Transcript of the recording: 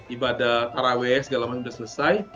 ibadah taraweh segala macam sudah selesai